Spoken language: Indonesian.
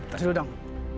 terus dulu dong